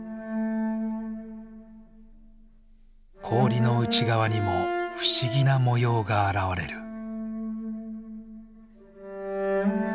氷の内側にも不思議な模様が現れる。